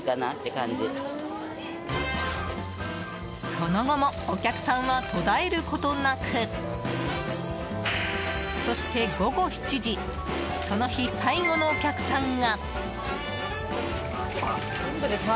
その後もお客さんは途だえることなくそして午後７時この日、最後のお客さんが。